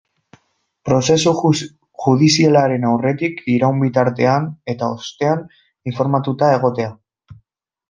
Prozesu judizialaren aurretik, iraun bitartean eta ostean informatuta egotea.